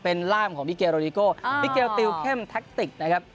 เป็นร่ามของบิเกโรดิโกบิเกลติวเข้มแท็กติกนะครับ